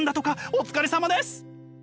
お疲れさまです！